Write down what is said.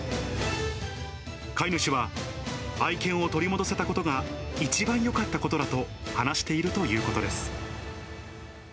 飼い主は愛犬を取り戻せたことが一番よかったことだと話しているということです。